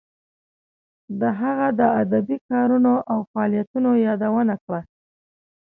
د هغه د ادبی کارونو او فعالیتونو یادونه کړه.